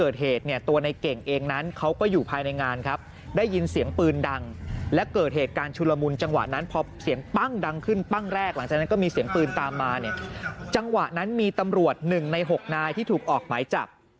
เกิดเหตุจังหวะนั้นมีตำรวจหนึ่งในหกนายที่ถูกออกหมายจับ